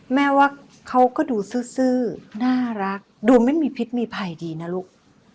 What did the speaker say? แม่ว่าเขาก็ดูซื่อน่ารักดูไม่มีพิษมีภัยดีนะลูก